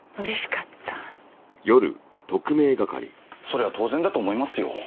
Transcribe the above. それは当然だと思いますよ。